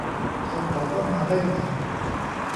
ฉันขอเข้ามาได้ไหม